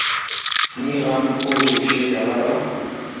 Nniɣ-am ur wjideɣ ara.